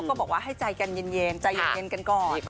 เขาบอกว่าให้ใจเย็นก่อน